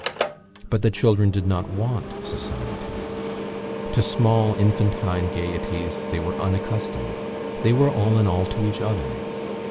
But the children did not want society. To small infantine gaieties they were unaccustomed. They were all in all to each other.